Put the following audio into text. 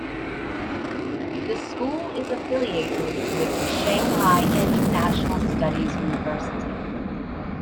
The school is affiliated with the Shanghai International Studies University.